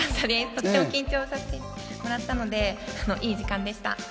とても緊張させてもらったので、いい時間でした。